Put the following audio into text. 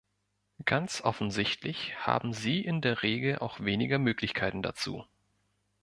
Ganz offensichtlich haben sie in der Regel auch weniger Möglichkeiten dazu.